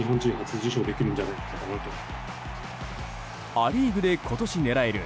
ア・リーグで今年狙える